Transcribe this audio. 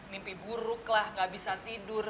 mimpi buruk lah gak bisa tidur